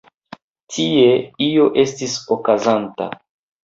Tie io estis okazanta.